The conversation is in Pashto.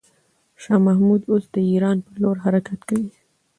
شاه محمود اوس د ایران پر لور حرکت کوي.